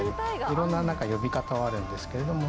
いろんな呼び方はあるんですけれども。